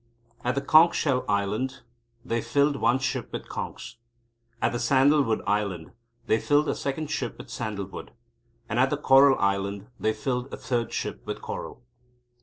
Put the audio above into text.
At the Conch Shell Island they filled one ship with conchs. At the Sandal Wood Island they filled a second ship with sandal wood, and at the Coral Island they filled a third ship with coral.